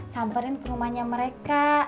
samperin ke rumahnya mereka